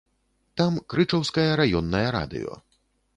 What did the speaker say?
Там крычаўскае раённае радыё.